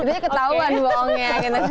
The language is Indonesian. dia ketawa doang ya